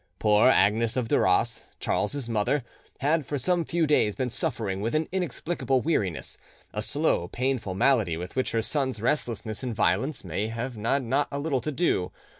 Poor Agnes of Duras, Charles's mother, had for some few days been suffering with an inexplicable weariness, a slow painful malady with which her son's restlessness and violence may have had not a little to do.